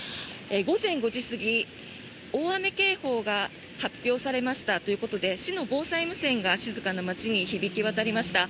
午前５時すぎ、大雨警報が発表されましたということで市の防災無線が静かな街に響き渡りました。